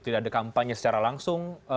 tidak ada kampanye secara langsung